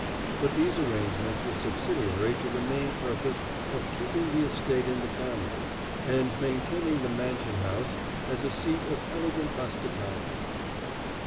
But these arrangements were subsidiary to the main purpose of keeping the estate in the family, and maintaining the mansion house as a seat of elegant hospitality.